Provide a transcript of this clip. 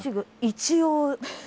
一応。